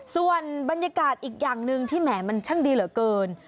ส่วนบรรยากาศอีกอย่างหนึ่งที่แหมมันช่างดีเหลือเกิน